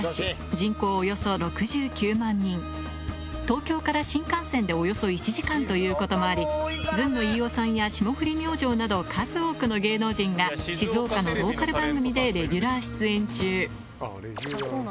東京から新幹線でおよそ１時間ということもありなど数多くの芸能人が静岡のローカル番組でレギュラー出演中